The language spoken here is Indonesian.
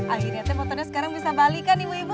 akhirnya teh motornya sekarang bisa balikan ibu ibu